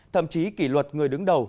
thậm chí kỷ luật người đứng đầu